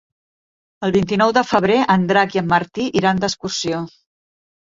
El vint-i-nou de febrer en Drac i en Martí iran d'excursió.